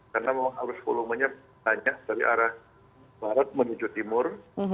karena memang arus volumenya banyak dari arah barat menuju timur